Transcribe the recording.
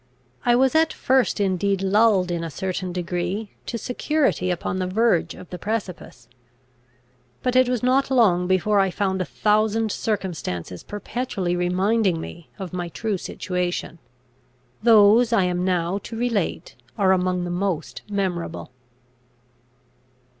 I was at first indeed lulled in a certain degree to security upon the verge of the precipice. But it was not long before I found a thousand circumstances perpetually reminding me of my true situation. Those I am now to relate are among the most memorable.